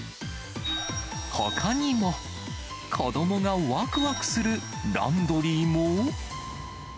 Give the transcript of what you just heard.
ほかにも、子どもがわくわくするランドリーも。